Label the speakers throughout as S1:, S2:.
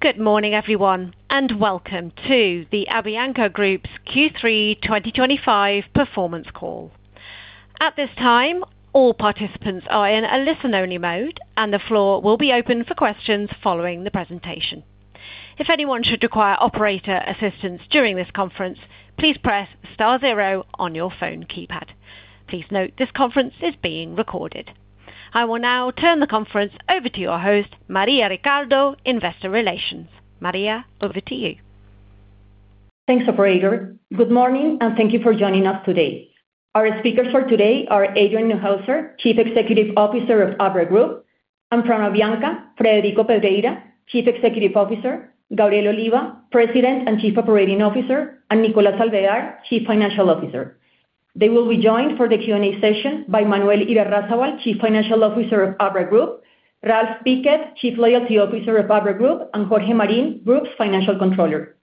S1: Good morning, everyone, and welcome to the Avianca Group's Q3 2025 performance call. At this time, all participants are in a listen-only mode, and the floor will be open for questions following the presentation. If anyone should require operator assistance during this conference, please press star zero on your phone keypad. Please note this conference is being recorded. I will now turn the conference over to your host, Maria Ricardo, Investor Relations. Maria, over to you.
S2: Thanks, operator. Good morning, and thank you for joining us today. Our speakers for today are Adrian Neuhauser, Chief Executive Officer of Abra Group; and from Avianca, Frederico Pedreira, Chief Executive Officer; Gabriel Oliva, President and Chief Operating Officer; and Nicolas Alvear, Chief Financial Officer. They will be joined for the Q&A session by Manuel Irarrázaval, Chief Financial Officer of Abra Group; Ralph Piket, Chief Loyalty Officer of Abra Group; and Jorge Marín, Group's Financial Controller.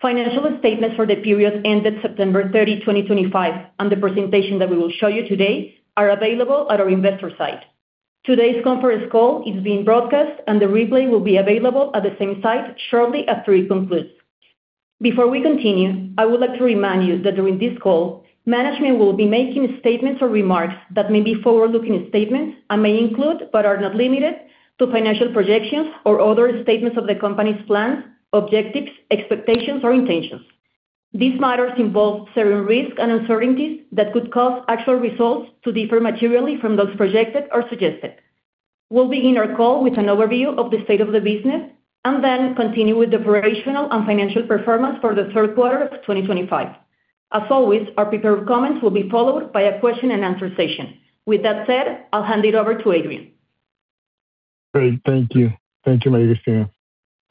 S2: Financial statements for the period ended September 30, 2025, and the presentation that we will show you today are available at our investor site. Today's conference call is being broadcast, and the replay will be available at the same site shortly after it concludes. Before we continue, I would like to remind you that during this call, management will be making statements or remarks that may be forward-looking statements and may include, but are not limited to, financial projections or other statements of the company's plans, objectives, expectations, or intentions. These matters involve certain risks and uncertainties that could cause actual results to differ materially from those projected or suggested. We'll begin our call with an overview of the state of the business and then continue with the operational and financial performance for the third quarter of 2025. As always, our prepared comments will be followed by a question-and-answer session. With that said, I'll hand it over to Adrian.
S3: Great. Thank you. Thank you, Maria Cristina.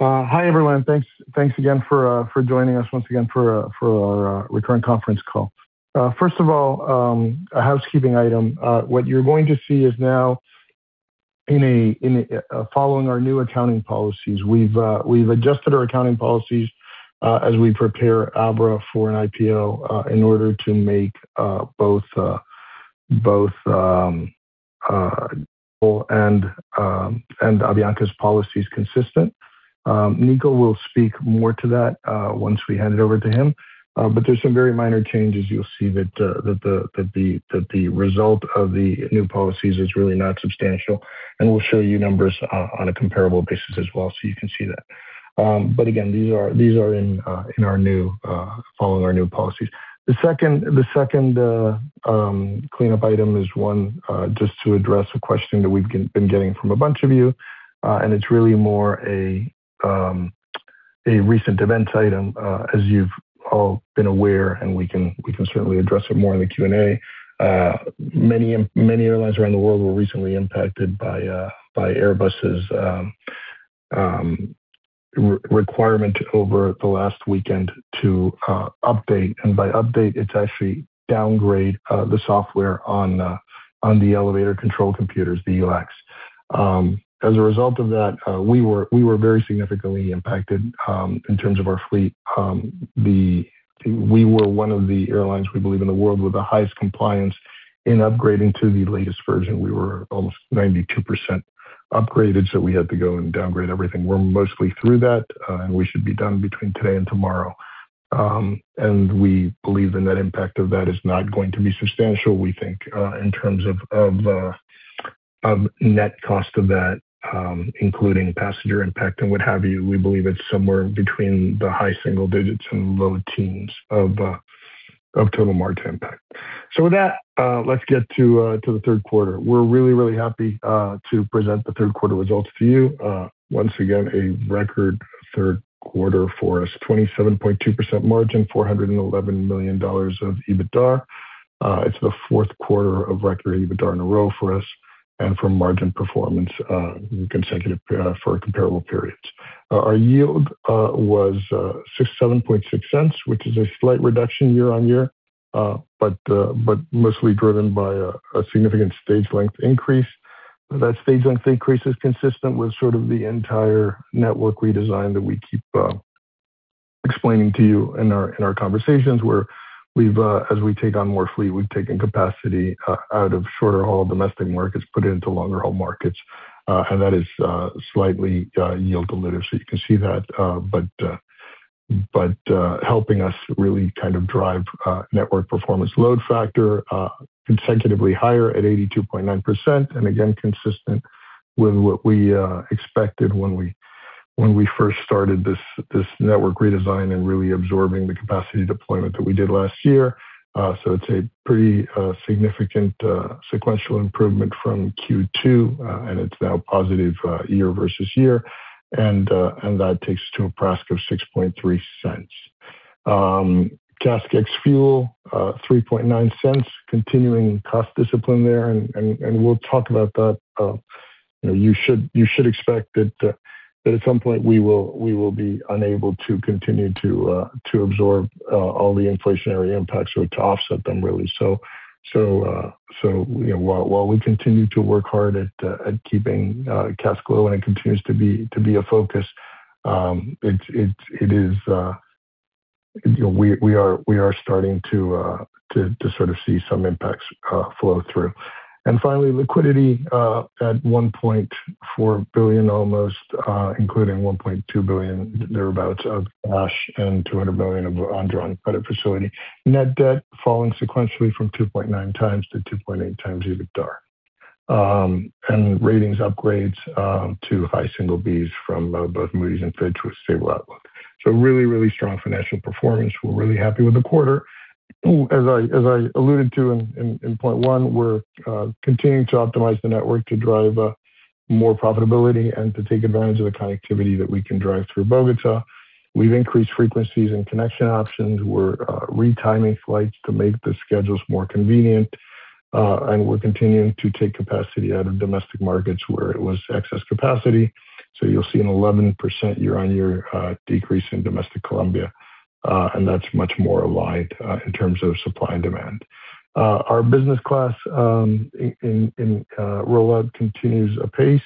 S3: Hi, everyone. Thanks again for joining us once again for our recurring conference call. First of all, a housekeeping item. What you're going to see is now, following our new accounting policies, we've adjusted our accounting policies as we prepare Abra for an IPO in order to make both Nicolas and Avianca's policies consistent. Nicolas will speak more to that once we hand it over to him, but there's some very minor changes. You'll see that the result of the new policies is really not substantial, and we'll show you numbers on a comparable basis as well so you can see that. Again, these are in our new, following our new policies. The second cleanup item is one just to address a question that we've been getting from a bunch of you, and it's really more a recent events item. As you've all been aware, and we can certainly address it more in the Q&A, many airlines around the world were recently impacted by Airbus's requirement over the last weekend to update, and by update, it's actually downgrade the software on the elevator control computers, the ELAC. As a result of that, we were very significantly impacted in terms of our fleet. We were one of the airlines, we believe, in the world with the highest compliance in upgrading to the latest version. We were almost 92% upgraded, so we had to go and downgrade everything. We're mostly through that, and we should be done between today and tomorrow. We believe the net impact of that is not going to be substantial, we think, in terms of net cost of that, including passenger impact and what have you. We believe it's somewhere between the high single digits and low teens of total margin impact. With that, let's get to the third quarter. We're really, really happy to present the third quarter results to you. Once again, a record third quarter for us: 27.2% margin, $411 million of EBITDA. It's the fourth quarter of record EBITDA in a row for us and for margin performance consecutive for comparable periods. Our yield was $0.676, which is a slight reduction year on year, but mostly driven by a significant stage length increase. That stage length increase is consistent with sort of the entire network redesign that we keep explaining to you in our conversations, where as we take on more fleet, we've taken capacity out of shorter-haul domestic markets, put it into longer-haul markets, and that is slightly yield-deluded, so you can see that, but helping us really kind of drive network performance load factor consecutively higher at 82.9% and again, consistent with what we expected when we first started this network redesign and really absorbing the capacity deployment that we did last year. It is a pretty significant sequential improvement from Q2, and it is now positive year versus year, and that takes us to a price of $0.063. CASK ex-fuel, $0.039, continuing cost discipline there, and we'll talk about that. You should expect that at some point we will be unable to continue to absorb all the inflationary impacts or to offset them, really. While we continue to work hard at keeping cash flow and it continues to be a focus, we are starting to sort of see some impacts flow through. Finally, liquidity at $1.4 billion almost, including $1.2 billion thereabouts of cash and $200 million of revolving credit facility. Net debt falling sequentially from 2.9x to 2.8x EBITDA. Ratings upgrades to high single Bs from both Moody's and Fitch with stable outlook. Really, really strong financial performance. We're really happy with the quarter. As I alluded to in point one, we're continuing to optimize the network to drive more profitability and to take advantage of the connectivity that we can drive through Bogotá. We've increased frequencies and connection options. We're retiming flights to make the schedules more convenient, and we're continuing to take capacity out of domestic markets where it was excess capacity. You'll see an 11% year-on-year decrease in domestic Colombia, and that's much more aligned in terms of supply and demand. Our business class in rollout continues apace,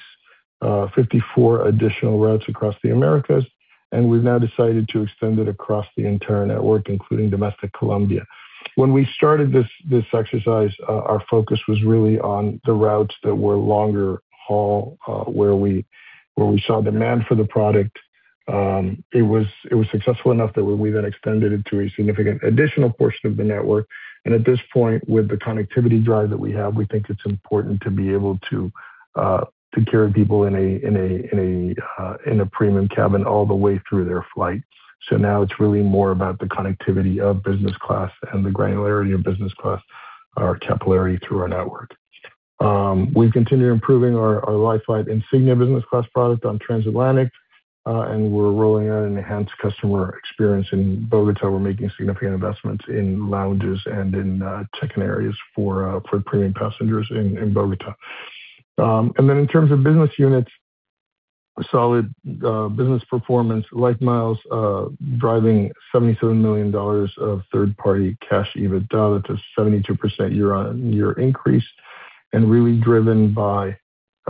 S3: 54 additional routes across the Americas, and we've now decided to extend it across the entire network, including domestic Colombia. When we started this exercise, our focus was really on the routes that were longer-haul, where we saw demand for the product. It was successful enough that we then extended it to a significant additional portion of the network. At this point, with the connectivity drive that we have, we think it's important to be able to carry people in a premium cabin all the way through their flight. It is really more about the connectivity of business class and the granularity of business class, our capillary through our network. We have continued improving our Insignia business class product on Transatlantic, and we are rolling out an enhanced customer experience in Bogotá. We are making significant investments in lounges and in check-in areas for premium passengers in Bogotá. In terms of business units, solid business performance, LifeMiles driving $77 million of third-party cash EBITDA to 72% year-on-year increase, and really driven by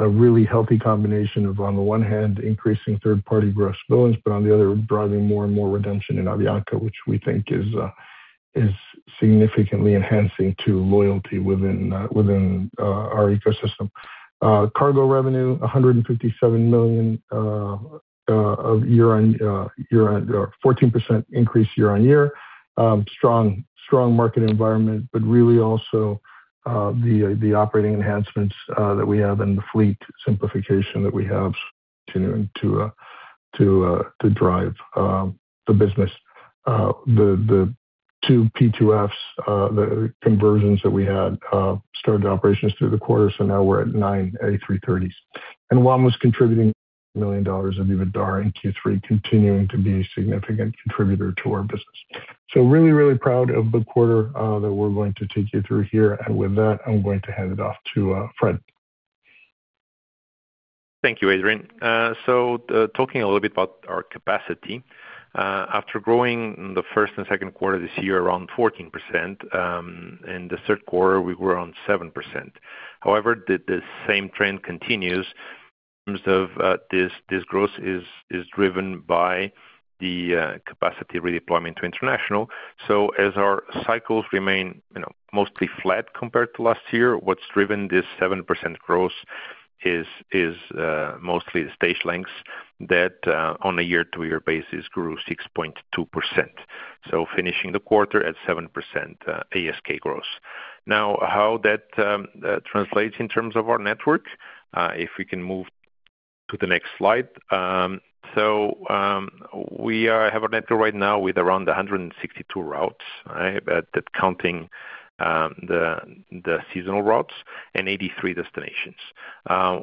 S3: a really healthy combination of, on the one hand, increasing third-party gross billings, but on the other, driving more and more redemption in Avianca, which we think is significantly enhancing to loyalty within our ecosystem. Cargo revenue, $157 million of year-on-year, 14% increase year-on-year, strong market environment, but really also the operating enhancements that we have and the fleet simplification that we have continuing to drive the business. The two P2Fs, the conversions that we had, started operations through the quarter, so now we're at nine A330s. And Wamos contributing $1 million of EBITDA in Q3, continuing to be a significant contributor to our business. Really, really proud of the quarter that we're going to take you through here. With that, I'm going to hand it off to Fred.
S4: Thank you, Adrian. Talking a little bit about our capacity, after growing in the first and second quarter this year around 14%, in the third quarter, we grew around 7%. However, the same trend continues. In terms of this growth, it is driven by the capacity redeployment to international. As our cycles remain mostly flat compared to last year, what has driven this 7% growth is mostly the stage lengths that on a year-to-year basis grew 6.2%. Finishing the quarter at 7% ASK growth. Now, how that translates in terms of our network, if we can move to the next slide. We have a network right now with around 162 routes, counting the seasonal routes, and 83 destinations.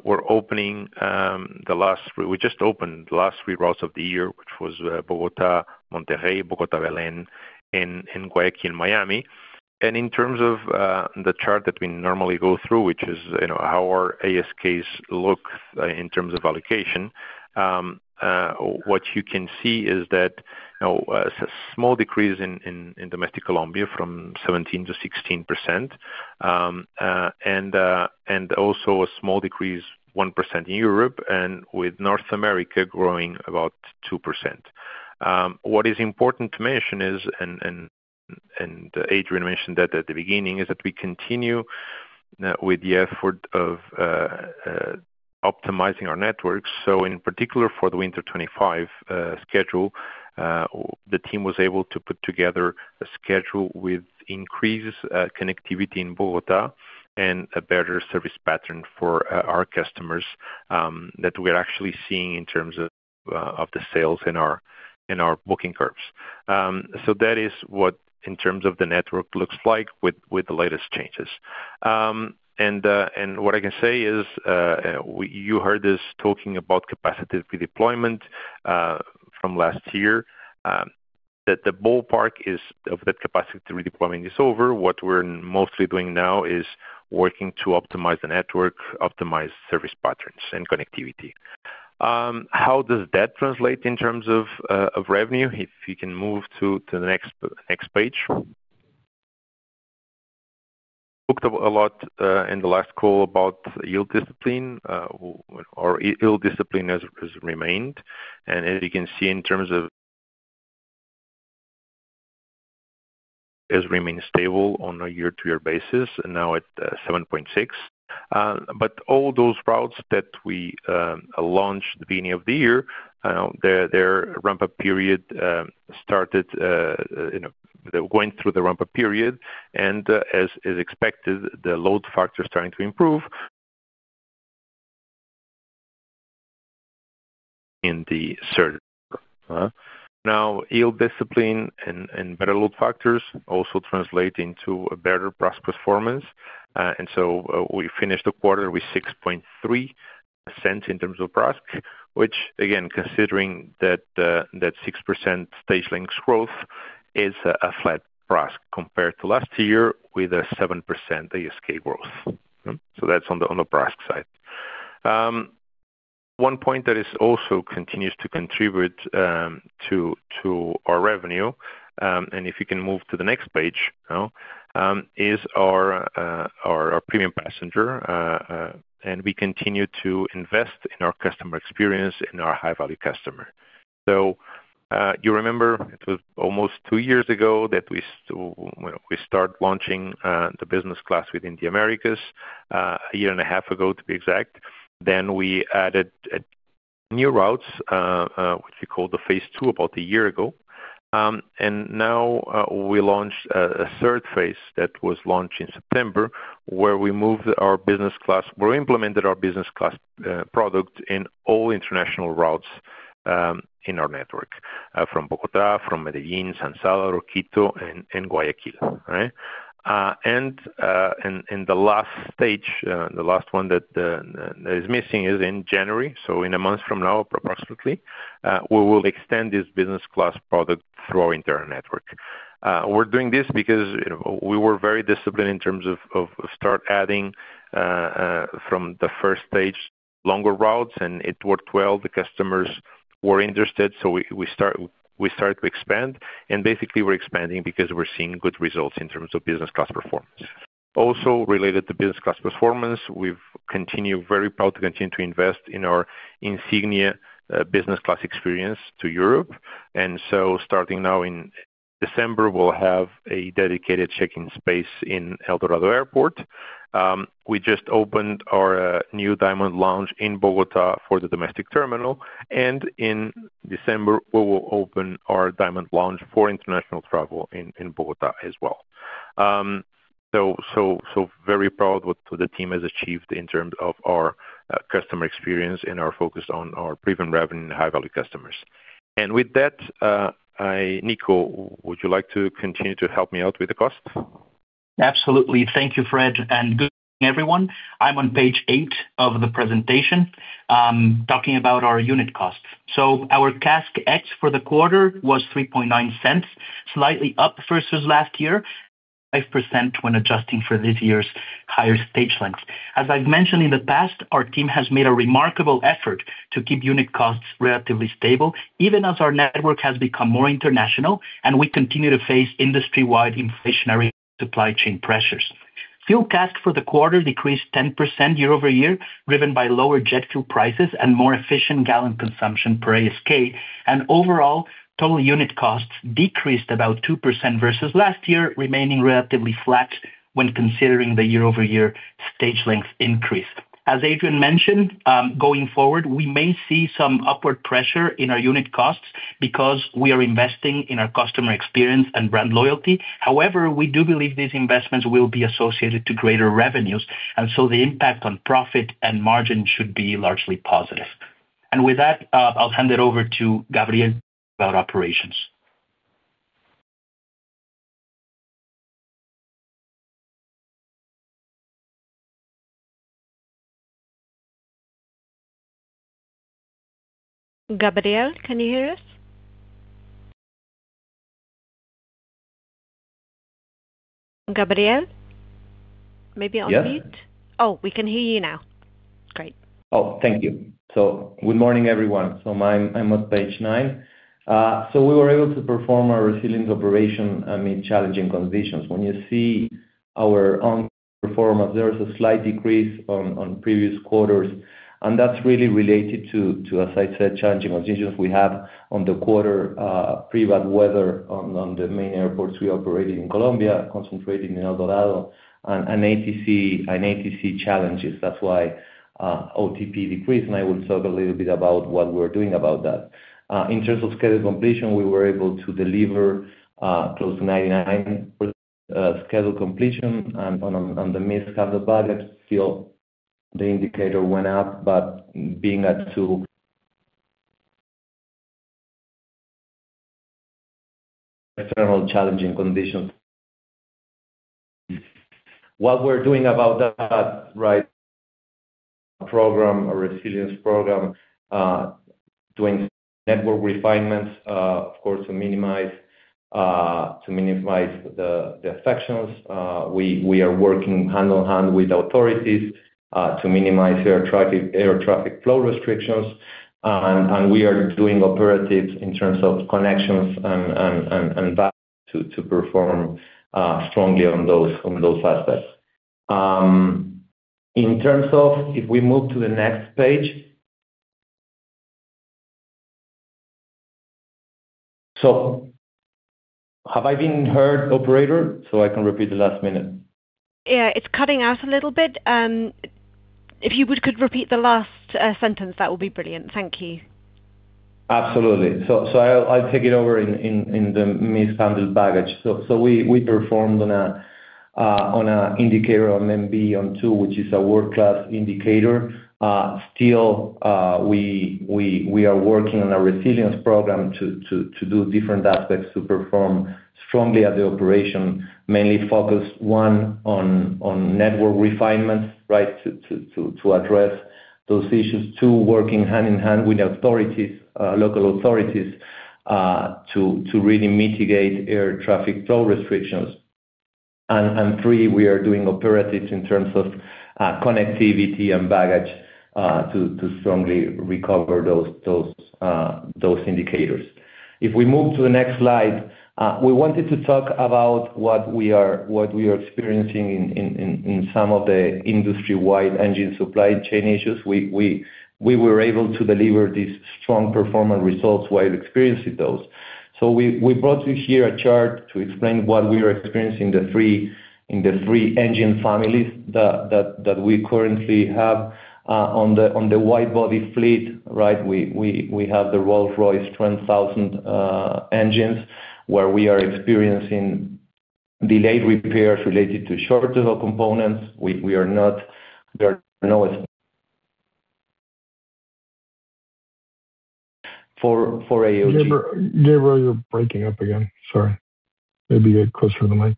S4: We just opened the last three routes of the year, which were Bogotá-Monterrey, Bogotá-Belém, and Guayaquil-Miami. In terms of the chart that we normally go through, which is how our ASKs look in terms of allocation, what you can see is that a small decrease in domestic Colombia from 17% to 16%, and also a small decrease, 1%, in Europe, with North America growing about 2%. What is important to mention is, and Adrian mentioned that at the beginning, that we continue with the effort of optimizing our networks. In particular, for the winter 2025 schedule, the team was able to put together a schedule with increased connectivity in Bogotá and a better service pattern for our customers that we're actually seeing in terms of the sales and our booking curves. That is what, in terms of the network, looks like with the latest changes. What I can say is you heard us talking about capacity redeployment from last year, that the ballpark is of that capacity redeployment is over. What we're mostly doing now is working to optimize the network, optimize service patterns, and connectivity. How does that translate in terms of revenue? If you can move to the next page. We talked a lot in the last call about yield discipline, or yield discipline has remained. As you can see, in terms of it has remained stable on a year-to-year basis, now at 7.6. All those routes that we launched at the beginning of the year, their ramp-up period started going through the ramp-up period, and as expected, the load factor is starting to improve in the third quarter. Yield discipline and better load factors also translate into better price performance. We finished the quarter with 6.3 cents in terms of price, which, again, considering that 6% stage length growth is a flat price compared to last year with a 7% ASK growth. That is on the price side. One point that also continues to contribute to our revenue, and if you can move to the next page, is our premium passenger, and we continue to invest in our customer experience and our high-value customer. You remember it was almost two years ago that we started launching the business class within the Americas, a year and a half ago, to be exact. We added new routes, which we called the phase II, about a year ago. We launched a third phase that was launched in September, where we moved our business class, where we implemented our business class product in all international routes in our network, from Bogotá, from Medellín, San Salvador, Quito, and Guayaquil. The last stage, the last one that is missing is in January. In a month from now, approximately, we will extend this business class product throughout our entire network. We're doing this because we were very disciplined in terms of start adding from the first stage longer routes, and it worked well. The customers were interested, so we started to expand. Basically, we're expanding because we're seeing good results in terms of business class performance. Also related to business class performance, we've continued very proud to continue to invest in our Insignia business class experience to Europe. Starting now in December, we'll have a dedicated check-in space in El Dorado International Airport. We just opened our new Diamond Lounge in Bogotá for the domestic terminal. In December, we will open our Diamond Lounge for international travel in Bogotá as well. Very proud of what the team has achieved in terms of our customer experience and our focus on our premium revenue and high-value customers. With that, Nico, would you like to continue to help me out with the cost?
S5: Absolutely. Thank you, Fred. And good morning, everyone. I'm on page eight of the presentation talking about our unit costs. So our CASK ex-fuel for the quarter was 3.9 cents, slightly up versus last year, 5% when adjusting for this year's higher stage length. As I've mentioned in the past, our team has made a remarkable effort to keep unit costs relatively stable, even as our network has become more international and we continue to face industry-wide inflationary supply chain pressures. Fuel CASK for the quarter decreased 10% year-over-year, driven by lower jet fuel prices and more efficient gallon consumption per ASK. Overall, total unit costs decreased about 2% versus last year, remaining relatively flat when considering the year-over-year stage length increase. As Adrian mentioned, going forward, we may see some upward pressure in our unit costs because we are investing in our customer experience and brand loyalty. However, we do believe these investments will be associated to greater revenues. The impact on profit and margin should be largely positive. With that, I'll hand it over to Gabriel about operations.
S1: Gabriel, can you hear us? Gabriel? Maybe on mute? Oh, we can hear you now. Great.
S6: Thank you. Good morning, everyone. I'm on page nine. We were able to perform our resilience operation amid challenging conditions. When you see our ongoing performance, there is a slight decrease on previous quarters. That's really related to, as I said, challenging conditions we have on the quarter, pre-event weather on the main airports we operate in Colombia, concentrating in El Dorado, and ATC challenges. That's why OTP decreased. I will talk a little bit about what we're doing about that. In terms of schedule completion, we were able to deliver close to 99% schedule completion. On the mid-calendar budget, still, the indicator went up, but being at two external challenging conditions. What we're doing about that, right, our program, our resilience program, doing network refinements, of course, to minimize the affections. We are working hand in hand with authorities to minimize air traffic flow restrictions. We are doing operatives in terms of connections and value to perform strongly on those aspects. If we move to the next page. Have I been heard, operator? I can repeat the last minute.
S1: Yeah, it's cutting out a little bit. If you could repeat the last sentence, that would be brilliant. Thank you.
S6: Absolutely. I'll take it over in the mishandled baggage. We performed on an indicator on MB under two, which is a world-class indicator. Still, we are working on our resilience program to do different aspects to perform strongly at the operation, mainly focused, one, on network refinements, right, to address those issues. Two, working hand in hand with local authorities to really mitigate air traffic flow restrictions. Three, we are doing operatives in terms of connectivity and baggage to strongly recover those indicators. If we move to the next slide, we wanted to talk about what we are experiencing in some of the industry-wide engine supply chain issues. We were able to deliver these strong performance results while experiencing those. We brought you here a chart to explain what we are experiencing in the three engine families that we currently have. On the widebody fleet, right, we have the Rolls-Royce 1000 engines, where we are experiencing delayed repairs related to short components. We are not. There are no for AOG.
S3: Gabriel, you're breaking up again. Sorry. Maybe get closer to the mic.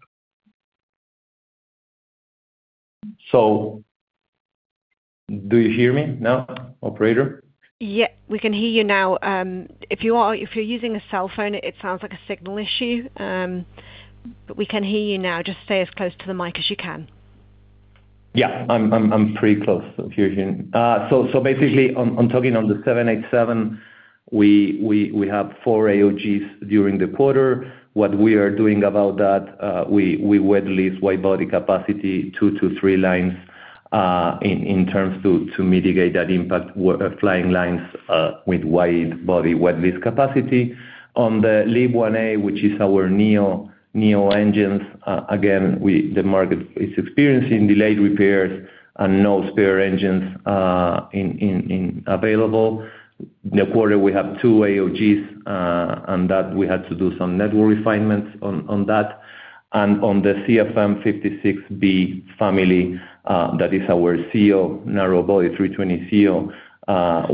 S6: Do you hear me now, operator?
S1: Yeah, we can hear you now. If you're using a cell phone, it sounds like a signal issue. We can hear you now. Just stay as close to the mic as you can.
S6: Yeah, I'm pretty close to hearing you. Basically, I'm talking on the 787. We have four AOGs during the quarter. What we are doing about that, we wet-lease widebody capacity, two to three lines in terms to mitigate that impact, flying lines with widebody wet-lease capacity. On the LEAP-1A, which is our Neo engines, again, the market is experiencing delayed repairs and no spare engines available. In the quarter, we have two AOGs, and we had to do some network refinements on that. On the CFM56, that is our CEO, narrowbody A320ceo,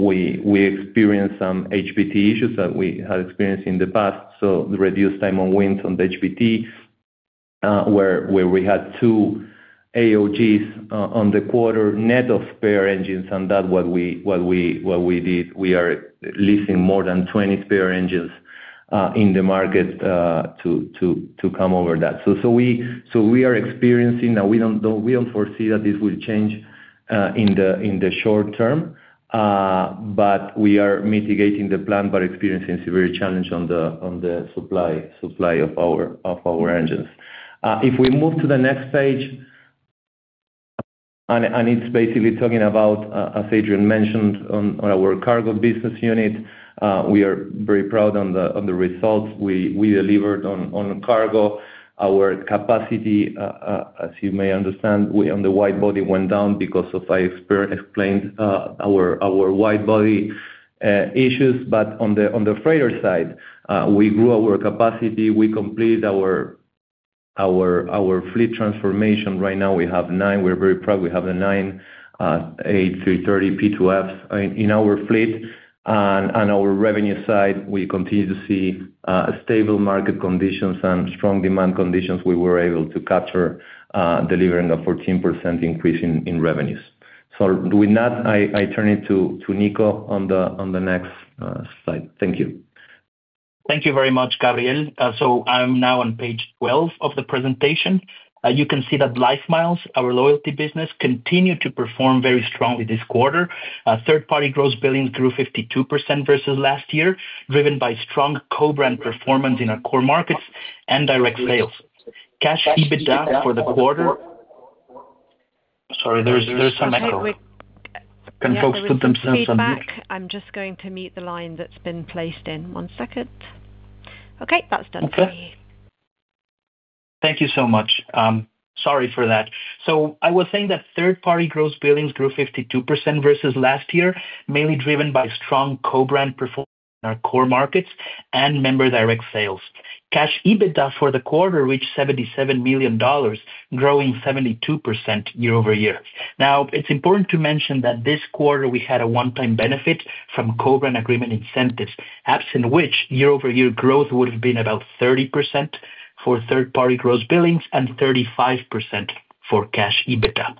S6: we experienced some HPT issues that we had experienced in the past. Reduced time on wing on the HPT, where we had two AOGs in the quarter, net of spare engines, and that's what we did. We are leasing more than 20 spare engines in the market to come over that. We are experiencing, and we do not foresee that this will change in the short term, but we are mitigating the plan by experiencing severe challenge on the supply of our engines. If we move to the next page, it is basically talking about, as Adrian mentioned, our cargo business unit. We are very proud of the results we delivered on cargo. Our capacity, as you may understand, on the widebody went down because of, I explained, our widebody issues. On the freighter side, we grew our capacity. We completed our fleet transformation. Right now, we have nine. We are very proud. We have the nine A330 P2Fs in our fleet. On our revenue side, we continue to see stable market conditions and strong demand conditions. We were able to capture delivering a 14% increase in revenues. With that, I turn it to Nico on the next slide. Thank you.
S5: Thank you very much, Gabriel. I am now on page 12 of the presentation. You can see that LifeMiles, our loyalty business, continued to perform very strongly this quarter. Third-party gross billing grew 52% versus last year, driven by strong co-brand performance in our core markets and direct sales. Cash EBITDA for the quarter sorry, there is some echo. Can folks put themselves on mute?
S1: I'm just going to mute the line that's been placed in. One second. Okay, that's done.
S5: Thank you so much. Sorry for that. I was saying that third-party gross billings grew 52% versus last year, mainly driven by strong co-brand performance in our core markets and member direct sales. Cash EBITDA for the quarter reached $77 million, growing 72% year-over-year. Now, it's important to mention that this quarter, we had a one-time benefit from co-brand agreement incentives, absent which year-over-year growth would have been about 30% for third-party gross billings and 35% for cash EBITDA.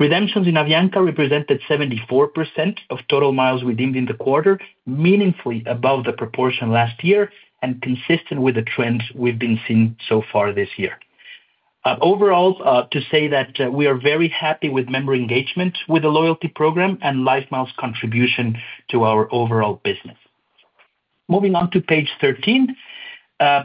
S5: Redemptions in Avianca represented 74% of total miles redeemed in the quarter, meaningfully above the proportion last year and consistent with the trends we've been seeing so far this year. Overall, to say that we are very happy with member engagement with the loyalty program and LifeMiles' contribution to our overall business. Moving on to page 13,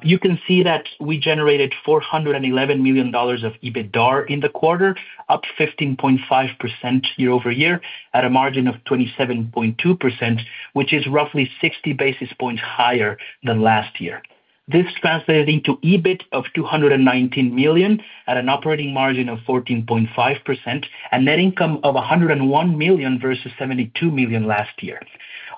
S5: you can see that we generated $411 million of EBITDA in the quarter, up 15.5% year-over-year at a margin of 27.2%, which is roughly 60 basis points higher than last year. This translated into EBIT of $219 million at an operating margin of 14.5% and net income of $101 million versus $72 million last year.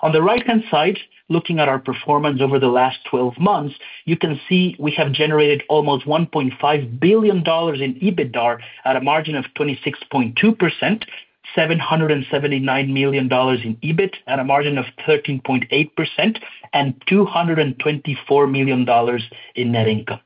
S5: On the right-hand side, looking at our performance over the last 12 months, you can see we have generated almost $1.5 billion in EBITDA at a margin of 26.2%, $779 million in EBIT at a margin of 13.8%, and $224 million in net income.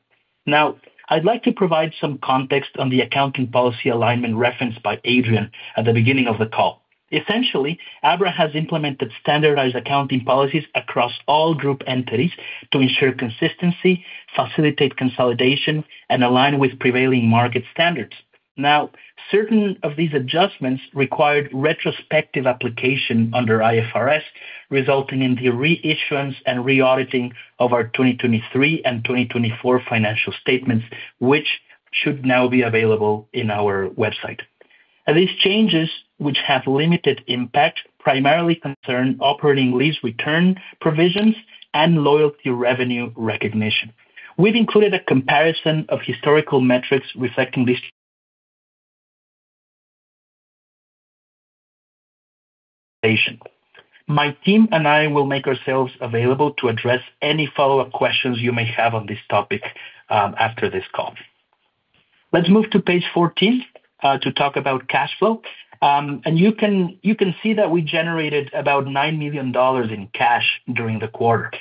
S5: Now, I'd like to provide some context on the accounting policy alignment referenced by Adrian at the beginning of the call. Essentially, Abra has implemented standardized accounting policies across all group entities to ensure consistency, facilitate consolidation, and align with prevailing market standards. Now, certain of these adjustments required retrospective application under IFRS, resulting in the reissuance and reauditing of our 2023 and 2024 financial statements, which should now be available on our website. These changes, which have limited impact, primarily concern operating lease return provisions and loyalty revenue recognition. We've included a comparison of historical metrics reflecting this application. My team and I will make ourselves available to address any follow-up questions you may have on this topic after this call. Let's move to page 14 to talk about cash flow. You can see that we generated about $9 million in cash during the quarter.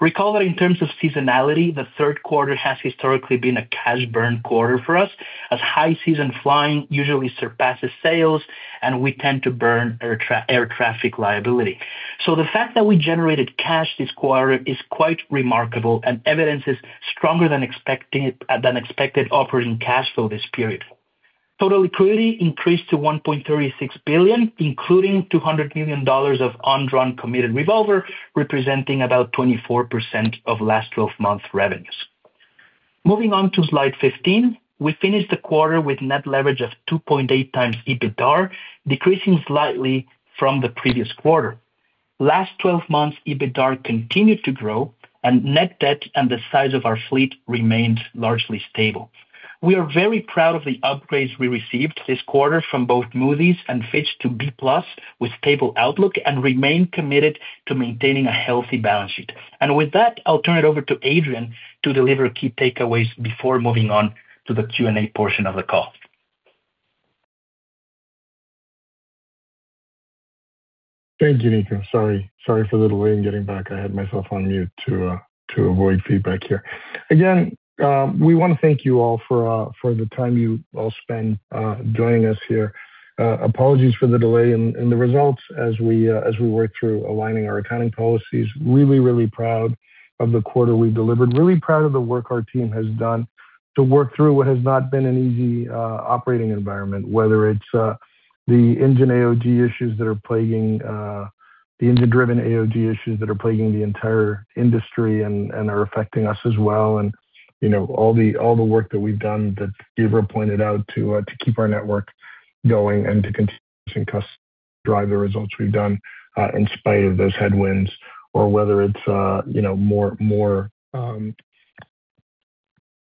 S5: Recall that in terms of seasonality, the third quarter has historically been a cash-burn quarter for us, as high season flying usually surpasses sales, and we tend to burn air traffic liability. The fact that we generated cash this quarter is quite remarkable, and evidence is stronger than expected operating cash flow this period. Total liquidity increased to $1.36 billion, including $200 million of undrawn committed revolver, representing about 24% of last 12-month revenues. Moving on to slide 15, we finished the quarter with net leverage of 2.8x EBITDA, decreasing slightly from the previous quarter. Last 12 months, EBITDA continued to grow, and net debt and the size of our fleet remained largely stable. We are very proud of the upgrades we received this quarter from both Moody's and Fitch Ratings to B+ with stable outlook and remain committed to maintaining a healthy balance sheet. With that, I'll turn it over to Adrian to deliver key takeaways before moving on to the Q&A portion of the call.
S3: Thank you, Nico. Sorry for the delay in getting back. I had myself on mute to avoid feedback here. Again, we want to thank you all for the time you all spent joining us here. Apologies for the delay in the results as we worked through aligning our accounting policies. Really, really proud of the quarter we've delivered. Really proud of the work our team has done to work through what has not been an easy operating environment, whether it's the engine AOG issues that are plaguing the entire industry and are affecting us as well, and all the work that we've done that Gabriel pointed out to keep our network going and to continue to drive the results we've done in spite of those headwinds, or whether it's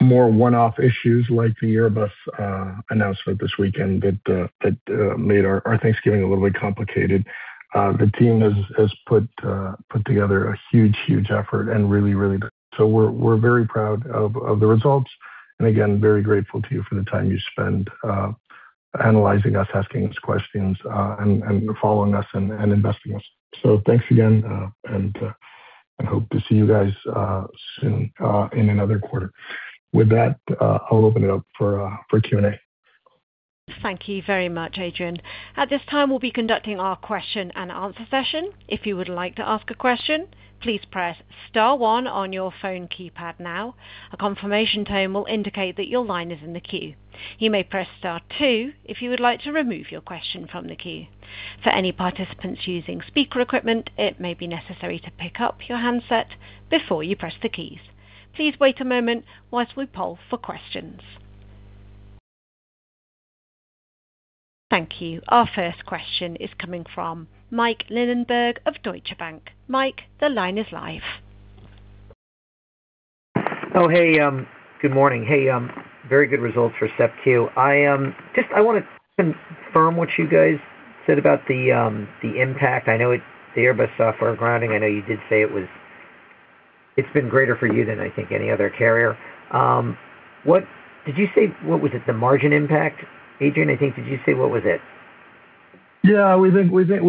S3: more one-off issues like the Airbus announcement this weekend that made our Thanksgiving a little bit complicated. The team has put together a huge, huge effort and really, really. We are very proud of the results. Again, very grateful to you for the time you spend analyzing us, asking us questions, and following us and investing in us. Thanks again, and hope to see you guys soon in another quarter. With that, I'll open it up for Q&A.
S1: Thank you very much, Adrian. At this time, we'll be conducting our question and answer session. If you would like to ask a question, please press star one on your phone keypad now. A confirmation tone will indicate that your line is in the queue. You may press star two if you would like to remove your question from the queue. For any participants using speaker equipment, it may be necessary to pick up your handset before you press the keys. Please wait a moment whilst we poll for questions. Thank you. Our first question is coming from Mike Linenberg of Deutsche Bank. Mike, the line is live.
S7: Oh, hey. Good morning. Hey, very good results for SEPQ. I want to confirm what you guys said about the impact. I know the Airbus software grounding. I know you did say it's been greater for you than I think any other carrier. Did you say what was it, the margin impact, Adrian? I think did you say what was it?
S3: Yeah, we think it'll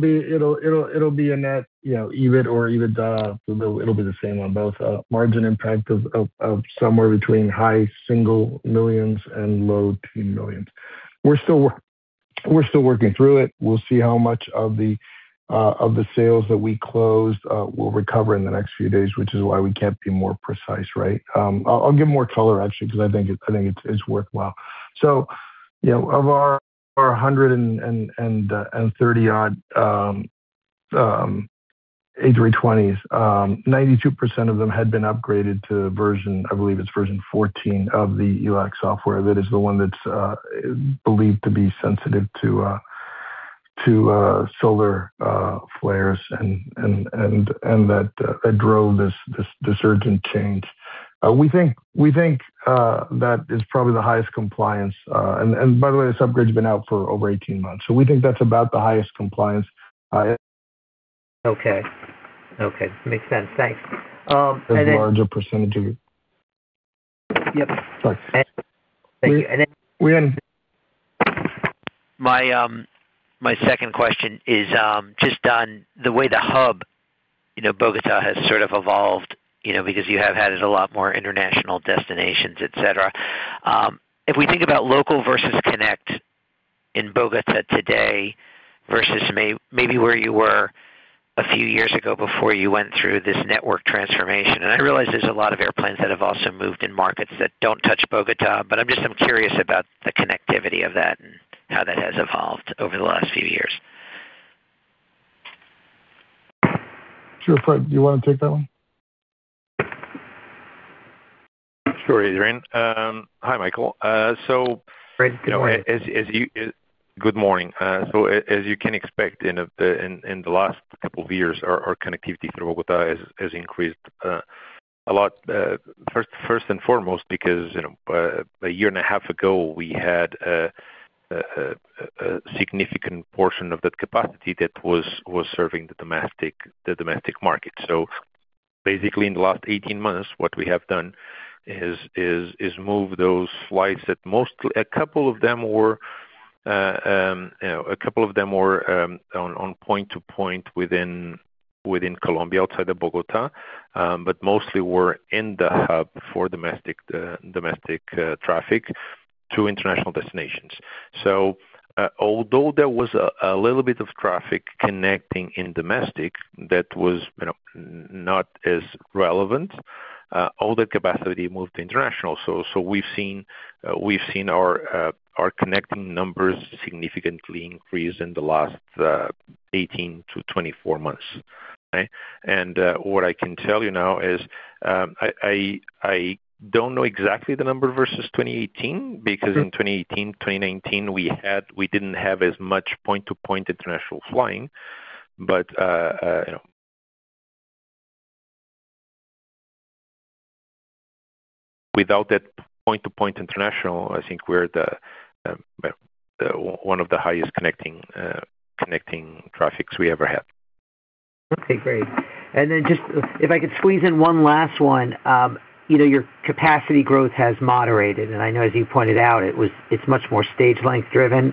S3: be a net EBIT or EBITDA. It'll be the same on both. Margin impact of somewhere between high single millions and low two millions. We're still working through it. We'll see how much of the sales that we closed will recover in the next few days, which is why we can't be more precise, right? I'll give more color, actually, because I think it's worthwhile. Of our 130 A320s, 92% of them had been upgraded to version, I believe it's version 14 of the ELAC software. That is the one that's believed to be sensitive to solar flares and that drove this urgent change. We think that is probably the highest compliance. By the way, this upgrade's been out for over 18 months. We think that's about the highest compliance.
S7: Okay. Okay. Makes sense. Thanks.
S3: A larger percentage of.
S7: Yep.
S3: Sorry.
S7: Thank you.
S3: We end.
S7: My second question is just on the way the hub, Bogotá has sort of evolved because you have had a lot more international destinations, etc. If we think about local versus connect in Bogotá today versus maybe where you were a few years ago before you went through this network transformation. I realize there are a lot of airplanes that have also moved in markets that do not touch Bogotá, but I am just curious about the connectivity of that and how that has evolved over the last few years.
S3: Sure. Fred, do you want to take that one?
S4: Sure, Adrian. Hi, Michael.
S7: Fred Good morning.
S4: Good morning. As you can expect, in the last couple of years, our connectivity through Bogotá has increased a lot. First and foremost, because a year and a half ago, we had a significant portion of that capacity that was serving the domestic market. Basically, in the last 18 months, what we have done is move those flights that mostly, a couple of them were on point-to-point within Colombia outside of Bogotá, but mostly were in the hub for domestic traffic to international destinations. Although there was a little bit of traffic connecting in domestic that was not as relevant, all the capacity moved to international. We have seen our connecting numbers significantly increase in the last 18 to 24 months. What I can tell you now is I don't know exactly the number versus 2018 because in 2018, 2019, we didn't have as much point-to-point international flying. Without that point-to-point international, I think we're one of the highest connecting traffics we ever had.
S7: Okay. Great. If I could squeeze in one last one, your capacity growth has moderated. I know, as you pointed out, it's much more stage-length driven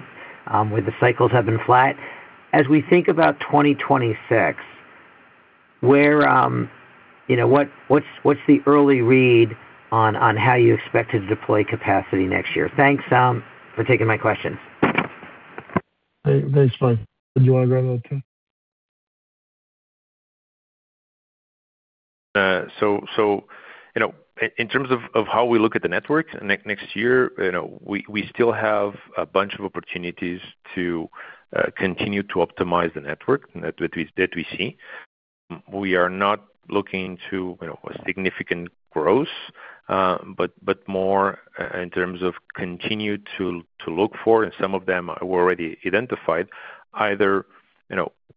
S7: where the cycles have been flat. As we think about 2026, what's the early read on how you expect to deploy capacity next year? Thanks for taking my questions.
S3: Thanks, Mike. Did you want to grab that too?
S4: In terms of how we look at the network next year, we still have a bunch of opportunities to continue to optimize the network that we see. We are not looking to a significant growth, but more in terms of continue to look for, and some of them were already identified, either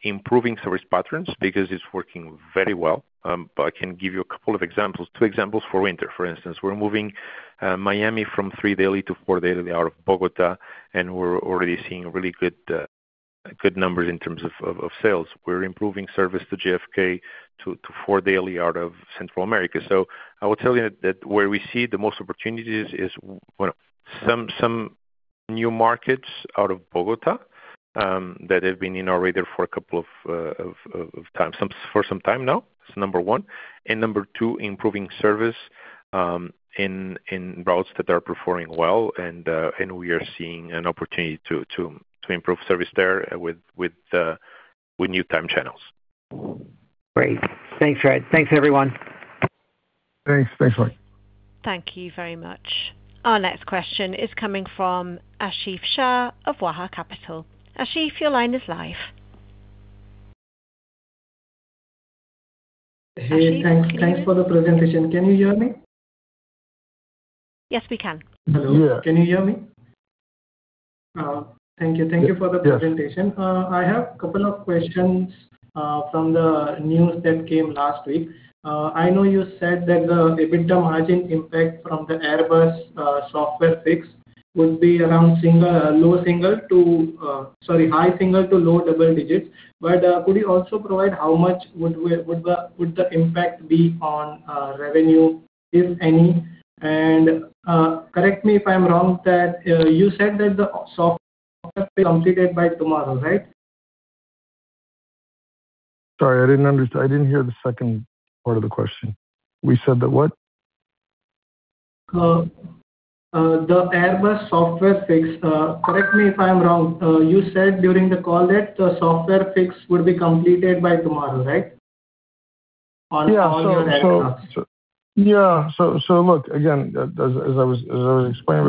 S4: improving service patterns because it's working very well. I can give you a couple of examples, two examples for winter. For instance, we're moving Miami from three daily to four daily out of Bogotá, and we're already seeing really good numbers in terms of sales. We're improving service to JFK to four daily out of Central America. I would tell you that where we see the most opportunities is some new markets out of Bogotá that have been in our radar for a couple of times for some time now. That's number one. Number two, improving service in routes that are performing well, and we are seeing an opportunity to improve service there with new time channels.
S7: Great. Thanks, Fred. Thanks, everyone.
S3: Thanks. Thanks, Mike.
S1: Thank you very much. Our next question is coming from Asif Shah of Waha Capital. Asif, your line is live.
S8: Asif, thanks for the presentation. Can you hear me?
S1: Yes, we can.
S3: Hello.
S8: Yeah. Can you hear me? Thank you. Thank you for the presentation.
S3: Yes.
S8: I have a couple of questions from the news that came last week. I know you said that the EBITDA margin impact from the Airbus software fix would be around high single to low double digits. Could you also provide how much would the impact be on revenue, if any? Correct me if I'm wrong, that you said that the software completed by tomorrow, right?
S3: Sorry, I didn't understand. I didn't hear the second part of the question. We said that what?
S8: The Airbus software fix. Correct me if I'm wrong. You said during the call that the software fix would be completed by tomorrow, right? On all your Airbus software.
S3: Yeah. So look, again, as I was explaining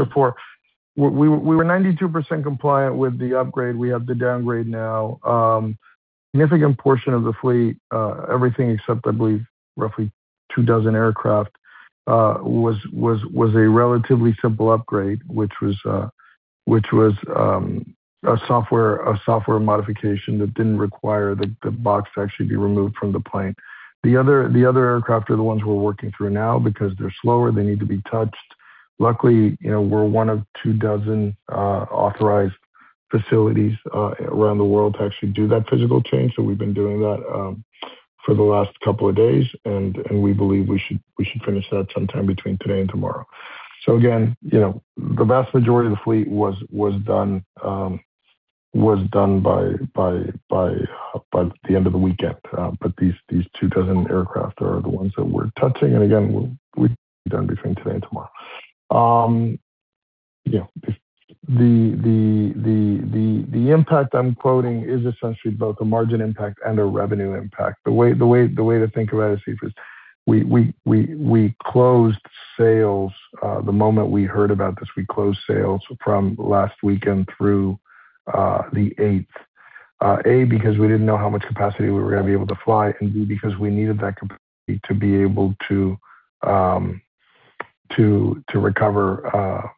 S3: before, we were 92% compliant with the upgrade. We have the downgrade now. A significant portion of the fleet, everything except I believe roughly two dozen aircraft, was a relatively simple upgrade, which was a software modification that did not require the box to actually be removed from the plane. The other aircraft are the ones we are working through now because they are slower. They need to be touched. Luckily, we are one of two dozen authorized facilities around the world to actually do that physical change. We have been doing that for the last couple of days, and we believe we should finish that sometime between today and tomorrow. The vast majority of the fleet was done by the end of the weekend. These two dozen aircraft are the ones that we are touching. We'll be done between today and tomorrow. The impact I'm quoting is essentially both a margin impact and a revenue impact. The way to think about it, Asif, is we closed sales the moment we heard about this. We closed sales from last weekend through the 8th. A, because we didn't know how much capacity we were going to be able to fly, and B, because we needed that capacity to be able to recover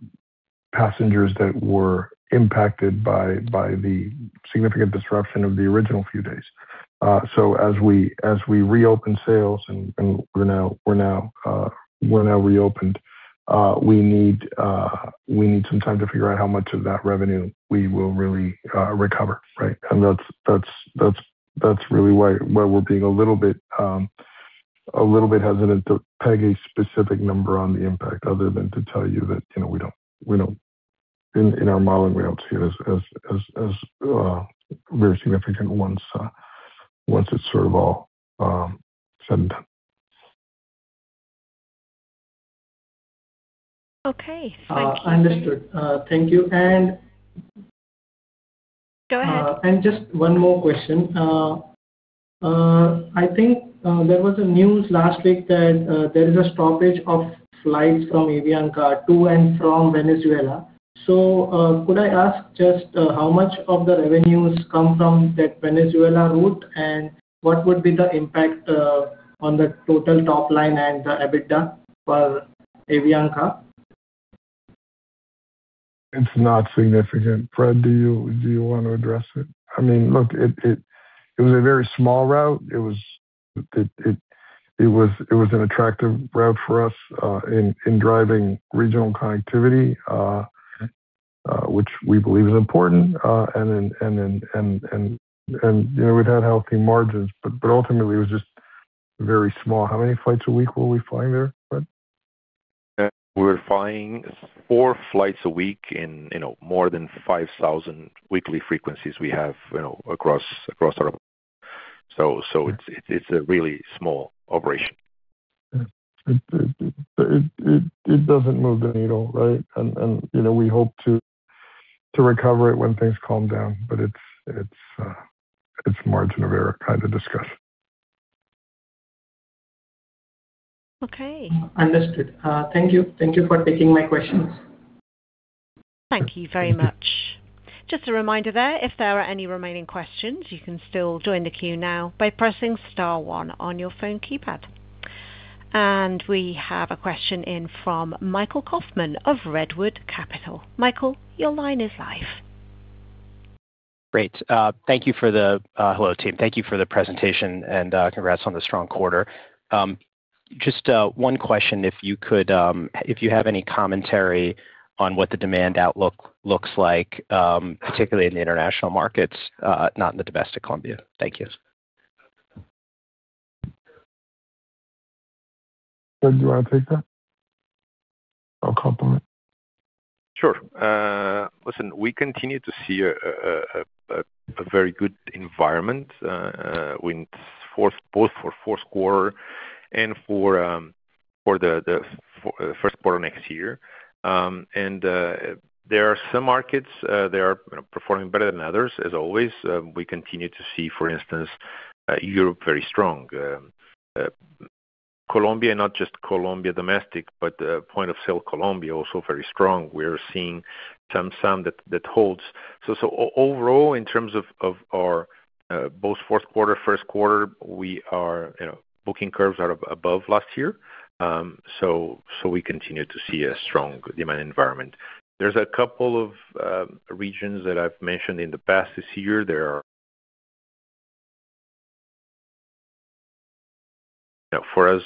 S3: passengers that were impacted by the significant disruption of the original few days. As we reopen sales and we're now reopened, we need some time to figure out how much of that revenue we will really recover, right? That is really why we're being a little bit hesitant to peg a specific number on the impact other than to tell you that we don't, in our modeling, we don't see it as very significant once it's sort of all said and done.
S8: Okay. Thank you. Understood. Thank you.
S1: Go ahead.
S8: Just one more question. I think there was news last week that there is a stoppage of flights from Avianca to and from Venezuela. Could I ask just how much of the revenues come from that Venezuela route, and what would be the impact on the total top line and the EBITDA for Avianca?
S3: It's not significant. Fred, do you want to address it? I mean, look, it was a very small route. It was an attractive route for us in driving regional connectivity, which we believe is important. We've had healthy margins, but ultimately, it was just very small. How many flights a week were we flying there, Fred?
S4: We were flying four flights a week in more than 5,000 weekly frequencies we have across our route. It is a really small operation.
S3: It doesn't move the needle, right? We hope to recover it when things calm down, but it's margin of error kind of discussed.
S1: Okay.
S8: Understood. Thank you. Thank you for taking my questions.
S1: Thank you very much. Just a reminder there, if there are any remaining questions, you can still join the queue now by pressing star one on your phone keypad. We have a question in from Michael Kaufman of Redwood Capital. Michael, your line is live.
S9: Great. Thank you for the hello, team. Thank you for the presentation, and congrats on the strong quarter. Just one question, if you have any commentary on what the demand outlook looks like, particularly in the international markets, not in the domestic Colombia. Thank you.
S3: Fred, do you want to take that or complement?
S4: Sure. Listen, we continue to see a very good environment both for fourth quarter and for the first quarter next year. There are some markets that are performing better than others, as always. We continue to see, for instance, Europe very strong. Colombia, not just Colombia domestic, but point of sale Colombia also very strong. We're seeing some that holds. Overall, in terms of our both fourth quarter, first quarter, our booking curves are above last year. We continue to see a strong demand environment. There are a couple of regions that I've mentioned in the past this year. They are, for us,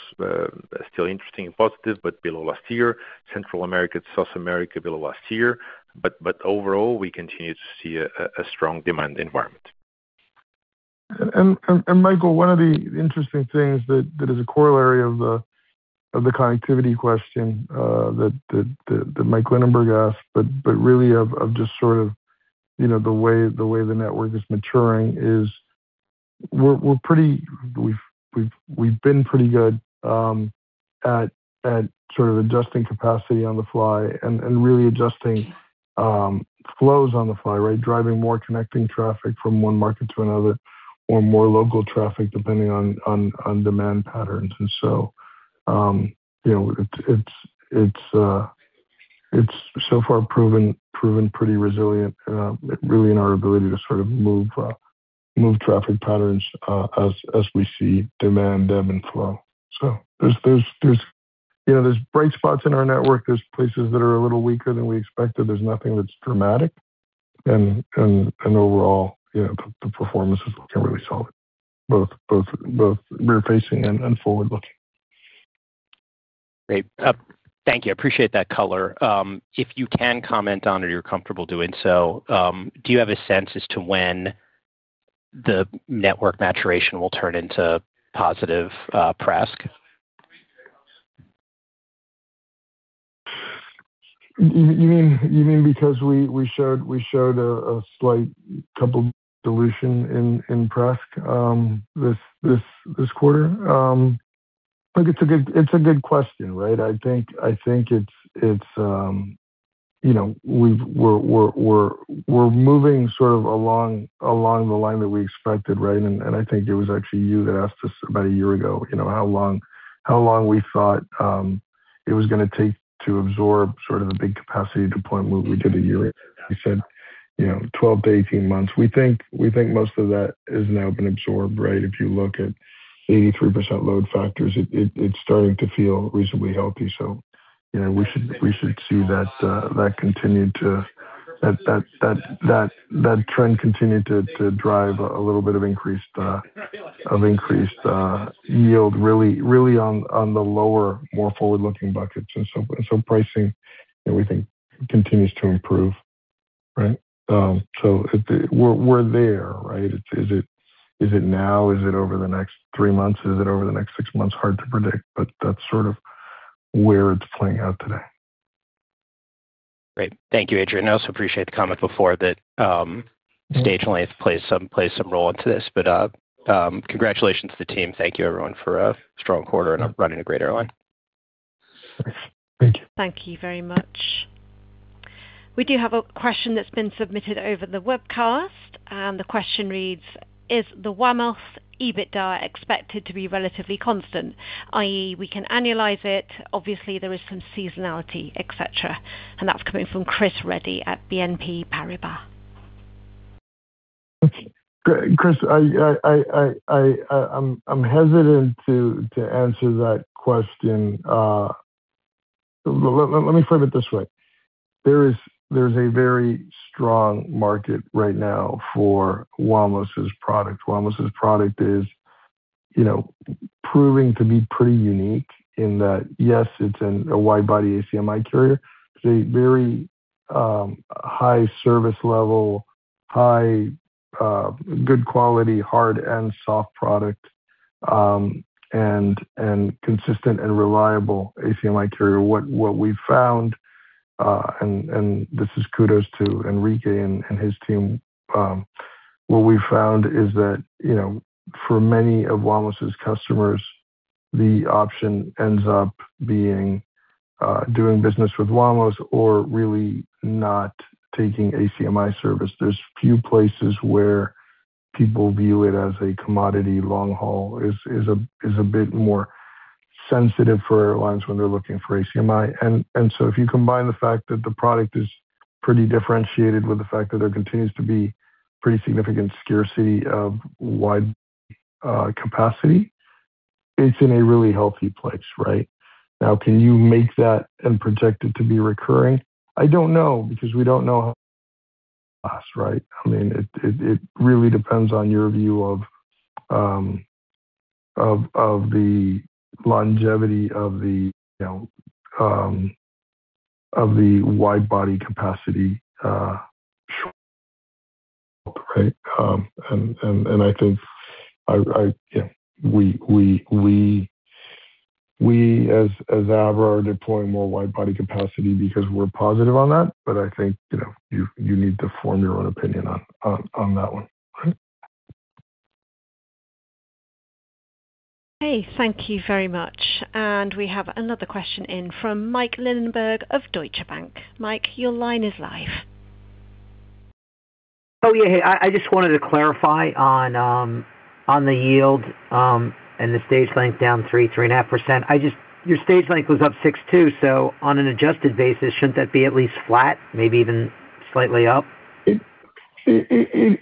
S4: still interesting and positive, but below last year. Central America, South America, below last year. Overall, we continue to see a strong demand environment.
S3: Michael, one of the interesting things that is a corollary of the connectivity question that Mike Linenberg asked, but really of just sort of the way the network is maturing, is we've been pretty good at sort of adjusting capacity on the fly and really adjusting flows on the fly, right? Driving more connecting traffic from one market to another or more local traffic depending on demand patterns. It has so far proven pretty resilient, really, in our ability to sort of move traffic patterns as we see demand ebb and flow. There are bright spots in our network. There are places that are a little weaker than we expected. There is nothing that's dramatic. Overall, the performance is looking really solid, both rear-facing and forward-looking.
S9: Great. Thank you. I appreciate that color. If you can comment on it, if you're comfortable doing so, do you have a sense as to when the network maturation will turn into positive PRASK?
S3: You mean because we showed a slight couple of dilution in PRASK this quarter? It's a good question, right? I think we're moving sort of along the line that we expected, right? I think it was actually you that asked us about a year ago how long we thought it was going to take to absorb sort of a big capacity deployment. We did a year ago. You said 12 to 18 months. We think most of that has now been absorbed, right? If you look at 83% load factors, it's starting to feel reasonably healthy. We should see that trend continue to drive a little bit of increased yield, really on the lower, more forward-looking buckets. Pricing, we think, continues to improve, right? We're there, right? Is it now? Is it over the next three months? Is it over the next six months? Hard to predict, but that's sort of where it's playing out today.
S9: Great. Thank you, Adrian. I also appreciate the comment before that stage length plays some role into this. Congratulations to the team. Thank you, everyone, for a strong quarter and running a great airline.
S3: Thank you.
S1: Thank you very much. We do have a question that has been submitted over the webcast. The question reads, "Is the Wamos EBITDA expected to be relatively constant, i.e., we can annualize it? Obviously, there is some seasonality, etc." That is coming from Chris Raab at BNP Paribas.
S3: Chris, I'm hesitant to answer that question. Let me frame it this way. There's a very strong market right now for Wamos Air's product. Wamos Air's product is proving to be pretty unique in that, yes, it's a wide-body ACMI carrier. It's a very high service level, high good quality, hard and soft product, and consistent and reliable ACMI carrier. What we've found, and this is kudos to Enrique and his team, what we've found is that for many of Wamos Air's customers, the option ends up being doing business with Wamos Air or really not taking ACMI service. There's few places where people view it as a commodity. Long haul is a bit more sensitive for airlines when they're looking for ACMI. If you combine the fact that the product is pretty differentiated with the fact that there continues to be pretty significant scarcity of wide capacity, it's in a really healthy place, right? Now, can you make that and project it to be recurring? I don't know because we don't know how long it will last, right? I mean, it really depends on your view of the longevity of the wide-body capacity short haul, right? I think we, as Avianca, are deploying more wide-body capacity because we're positive on that. I think you need to form your own opinion on that one, right?
S1: Okay. Thank you very much. We have another question in from Mike Linenberg of Deutsche Bank. Mike, your line is live.
S7: Oh, yeah. I just wanted to clarify on the yield and the stage length down 3, 3.5%. Your stage length was up 6.2%. On an adjusted basis, should not that be at least flat, maybe even slightly up?
S3: It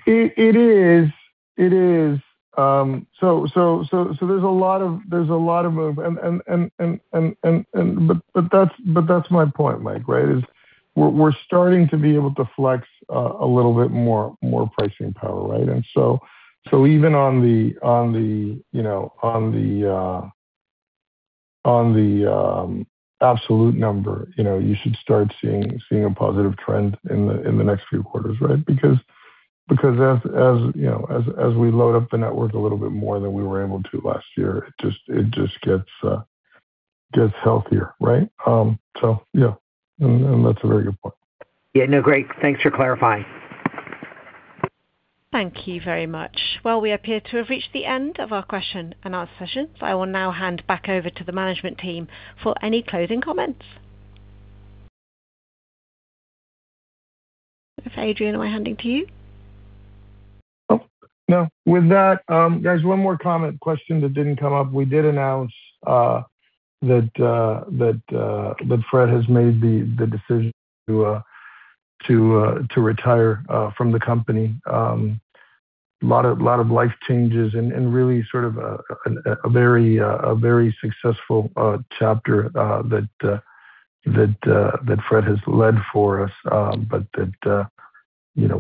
S3: is. It is. There is a lot of move. That is my point, Mike, right? We are starting to be able to flex a little bit more pricing power, right? Even on the absolute number, you should start seeing a positive trend in the next few quarters, right? As we load up the network a little bit more than we were able to last year, it just gets healthier, right? Yeah. That is a very good point.
S7: Yeah. No, great. Thanks for clarifying.
S1: Thank you very much. We appear to have reached the end of our question and answer session. I will now hand back over to the management team for any closing comments. Adrian, am I handing to you?
S3: No. With that, there's one more comment question that didn't come up. We did announce that Fred has made the decision to retire from the company. A lot of life changes and really sort of a very successful chapter that Fred has led for us. With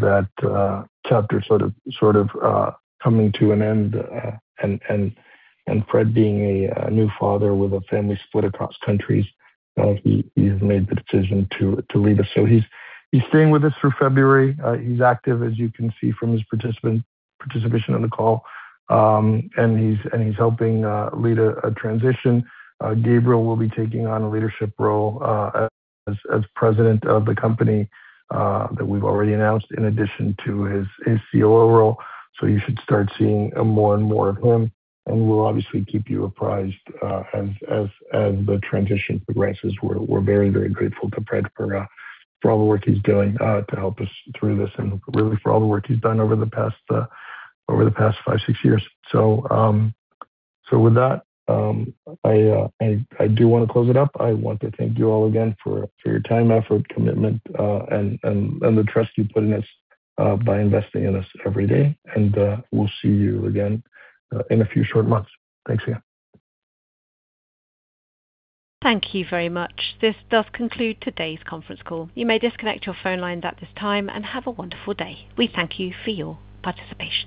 S3: that chapter sort of coming to an end and Fred being a new father with a family split across countries, he has made the decision to leave us. He's staying with us for February. He's active, as you can see from his participation in the call. He's helping lead a transition. Gabriel will be taking on a leadership role as President of the company that we've already announced in addition to his COO role. You should start seeing more and more of him. We'll obviously keep you apprised as the transition progresses. We're very, very grateful to Fred for all the work he's doing to help us through this and really for all the work he's done over the past five, six years. I do want to close it up. I want to thank you all again for your time, effort, commitment, and the trust you put in us by investing in us every day. We'll see you again in a few short months. Thanks again.
S1: Thank you very much. This does conclude today's conference call. You may disconnect your phone lines at this time and have a wonderful day. We thank you for your participation.